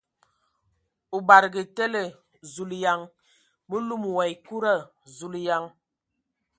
O badǝgǝ tele ! Zulǝyan ! Mǝ lum wa ekuda ! Zuleyan !